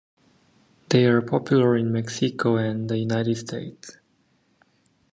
They are popular in Mexico and the United States.